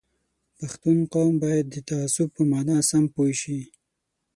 پښتون قوم باید د تعصب په مانا سم پوه شي